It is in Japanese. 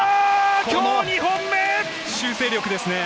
今日２本目！修正力ですね。